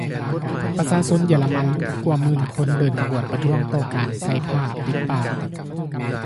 ປະຊາຊົນເຢຍລະມັນກວ່າໝື່ນຄົນເດີນຂະບວນປະທ້ວງຕໍ່ຕ້ານການໃສ່ຜ້າປິດປາກ